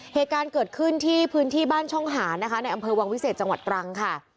เหตุการณ์เกิดขึ้นที่พื้นที่บ้านช่องหานนะคะในอำเภอวังวิเศษจังหวัดตรังค่ะ